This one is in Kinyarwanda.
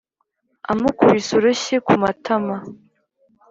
amukubise urushyi ku matama